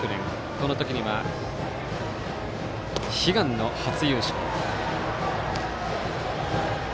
この時には、悲願の初優勝。